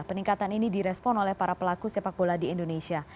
peningkatan ini direspon oleh para pelaku sepak bola di indonesia